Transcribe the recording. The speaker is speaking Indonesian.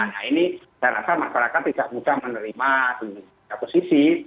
nah ini secara asal masyarakat tidak mudah menerima di posisi